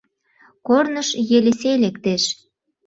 Корныш Елисей лектеш